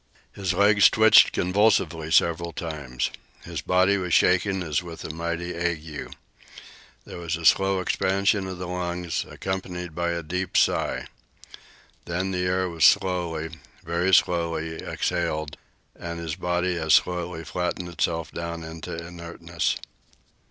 His legs twitched convulsively several times. His body was shaken as with a mighty ague. There was a slow expansion of the lungs, accompanied by a deep sigh. Then the air was slowly, very slowly, exhaled, and his body as slowly flattened itself down into inertness.